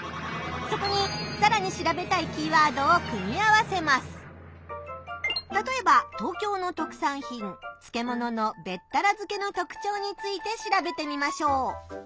そこにさらに調べたいたとえば東京の特産品漬物のべったら漬けの特徴について調べてみましょう。